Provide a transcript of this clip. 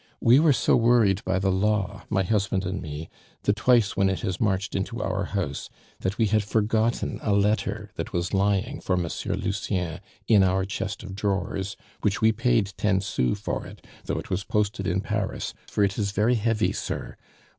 "We were so worried by the Law my husband and me the twice when it has marched into our house, that we had forgotten a letter that was lying, for Monsieur Lucien, in our chest of drawers, which we paid ten sous for it, though it was posted in Paris, for it is very heavy, sir.